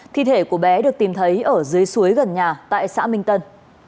thi thể của bé được tìm thấy ở dưới suối gần nhà tại xã minh tân